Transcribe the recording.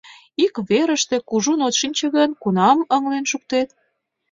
Ик верыште кужун от шинче гын, кунам ыҥлен шуктет?